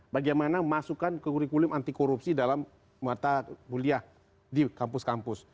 bagaimana memasukkan ke kurikulum anti korupsi dalam mata kuliah di kampus kampus